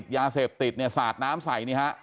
ยาเสพติดสาดน้ำใส